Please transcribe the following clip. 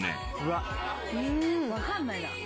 わかんないな。